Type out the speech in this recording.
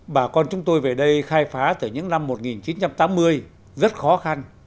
bà con chúng tôi về đây khai phá từ những năm một nghìn chín trăm tám mươi rất khó khăn